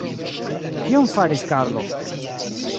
Kion faris Karlo?